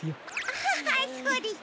アハハそうでした！